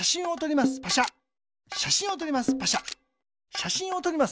しゃしんをとります。